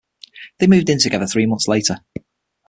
They moved in together three months later.